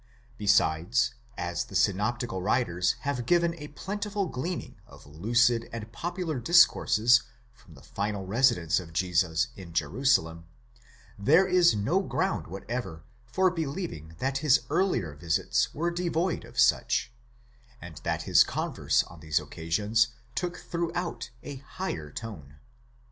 Besides, as the synoptical writers have given a plentiful glean ing of lucid and popular discourses from the final residence of Jesus in Jerusalem, there is no ground whatever for believing that his earlier visits were devoid of such, and that his converse on these occasions took through outa higher tone.